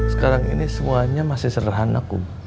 sekarang ini semuanya masih serahan aku